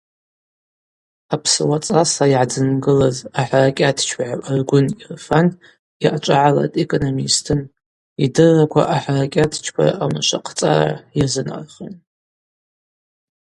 Апсыуа цӏасла йгӏадзынгылыз ахӏаракьатчпагӏв Аргвын Ирфан йъачӏвагӏала дэкономистын, йдырраква ахӏаракьатчпара аунашвахъцӏара йазынархан.